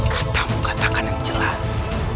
katamu katakan yang jelas